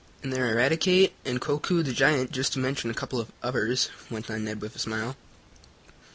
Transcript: "And there are Eradicate, and Koku, the giant, just to mention a couple of others," went on Ned, with a smile.